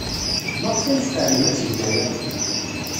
Maɣef ay tfernem ad tgem aya?